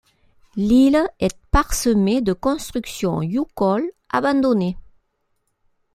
L'île est parsemée de constructions youkols abandonnées.